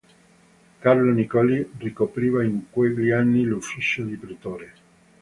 Carlo Nicoli, ricopriva in quegli anni l'ufficio di pretore.